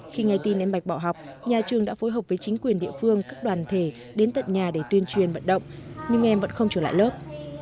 khi nghe tin em bạch bỏ học nhà trường đã phối hợp với chính quyền địa phương các đoàn thể đến tận nhà để tuyên truyền vận động nhưng em vẫn không trở lại lớp